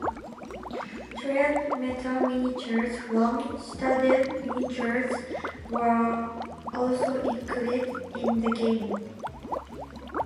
Twelve metal miniatures from Citadel Miniatures were also included in the game.